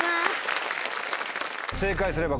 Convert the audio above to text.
正解すれば。